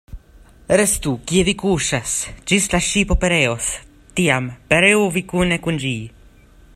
Restu, kie vi kuŝas, ĝis la ŝipo pereos; tiam, pereu vi kune kun ĝi.